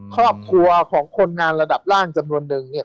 ครอบครัวของคนงานระดับล่างจำนวนนึงเนี่ย